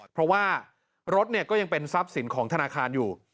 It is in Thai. เพราะว่ารถก็ยังเป็นทรัพย์สินของธนาคารอยู่